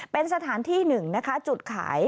เป็นสถานที่หนึ่งนะคะจุดขาย